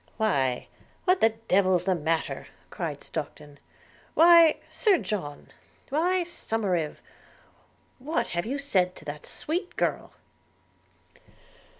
– 'Why, what the devil's the matter?' cried Stockton. 'Why, Sir John – why, Somerive, what have you said to that sweet girl?'